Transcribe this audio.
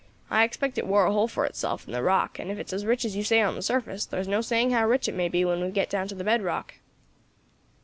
I expect it wore a hole for itself in the rock, and if it is as rich as you say on the surface, there is no saying how rich it may be when we get down to the bed rock."